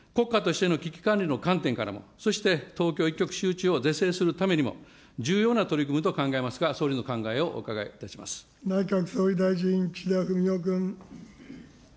国家としての危機管理の観点からも、そして、東京一極集中を是正するためにも、重要な取り組みと考えますが、総理の考えをお伺い内閣総理大臣、岸田文雄君。